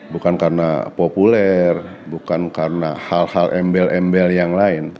bukan karena populer bukan karena hal hal embel embel yang lain